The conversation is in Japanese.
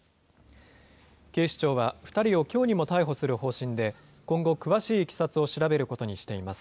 警視庁は２人をきょうにも逮捕する方針で、今後詳しいいきさつを調べることにしています。